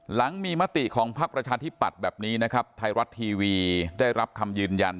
หลังมีมติของพักประชาธิปัตย์แบบนี้นะครับไทยรัฐทีวีได้รับคำยืนยัน